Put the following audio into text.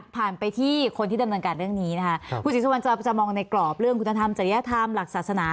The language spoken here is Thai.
ไปที่คนที่ดำเนินการเรื่องนี้นะคะคุณศรีสุวรรณจะมองในกรอบเรื่องคุณธรรมจริยธรรมหลักศาสนา